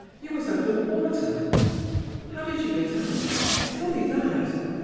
You was under water How did you get out; tell me that?